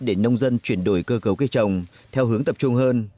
để nông dân chuyển đổi cơ cấu cây trồng theo hướng tập trung hơn